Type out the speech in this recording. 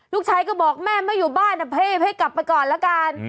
ลูกชายก็บอกแม่ไม่อยู่บ้านพี่ให้กลับไปก่อนละกัน